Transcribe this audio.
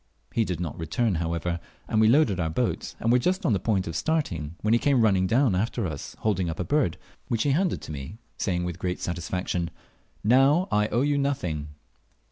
He did not return, however, and we loaded our boat, and were just on the point of starting, when he came running down after us holding up a bird, which he handed to me, saying with great satisfaction, "Now I owe you nothing."